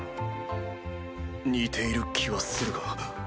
似ている気はするが。